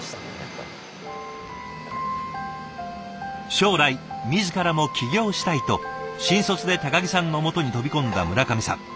将来自らも起業したいと新卒で木さんのもとに飛び込んだ村上さん。